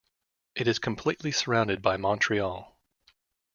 It is completely surrounded by Montreal.